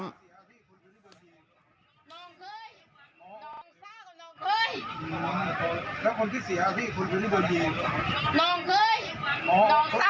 เพราะ